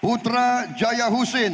putra jaya husin